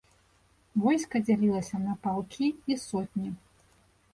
Войска дзялілася на палкі і сотні.